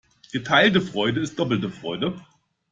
Geteilte Freude ist doppelte Freude.